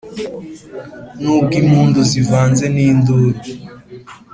N'ubwo impundu zivanze n'induru